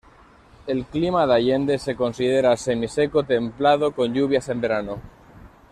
El clima de Allende se considera semi seco templado con lluvias en verano.